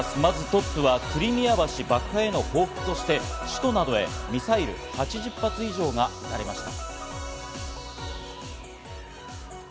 トップはクリミア橋爆破への報復として、首都などへミサイル８０発以上が撃たれました。